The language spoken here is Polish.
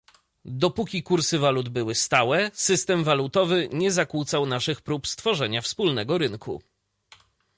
Dopóki kursy walut były stałe, system walutowy nie zakłócał naszych prób stworzenia wspólnego rynku